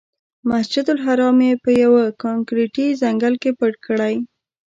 مسجدالحرام یې په یوه کانکریټي ځنګل کې پټ کړی.